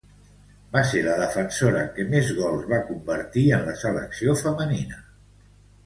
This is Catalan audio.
Va ser la defensora que més gols va convertir en la selecció femenina.